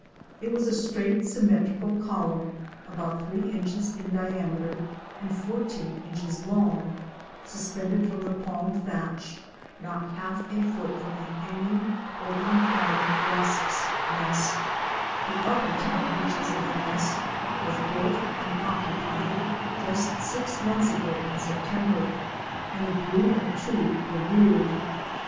It was a straight symmetrical column about three inches in diameter and fourteen inches long, suspended from the palm thatch, not half a foot from a hanging, open comb wasps' nest. 'The upper ten inches of the nest was built and occupied just six months ago in September, and a brood of Fic. 71. SIR EVERARD IM THURN's House AT MoRAWHANNA. two young were reared.